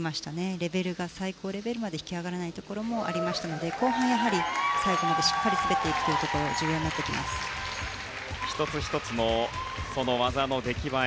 レベルが最高レベルまで引き上がらないところもありましたので後半、最後までしっかり滑っていくというところ１つ１つの技の出来栄え